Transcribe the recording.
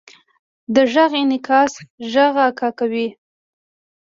د غږ انعکاس غږ اکو کوي.